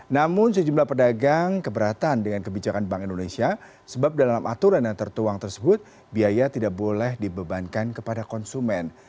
namun sejumlah pedagang keberatan dengan kebijakan bank indonesia sebab dalam aturan yang tertuang tersebut biaya tidak boleh dibebankan kepada konsumen